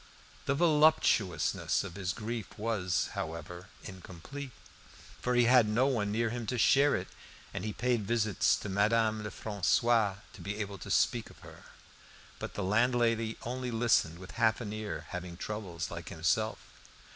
The voluptuousness of his grief was, however, incomplete, for he had no one near him to share it, and he paid visits to Madame Lefrancois to be able to speak of her. But the landlady only listened with half an ear, having troubles like himself.